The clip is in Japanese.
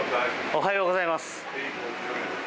おはようございます。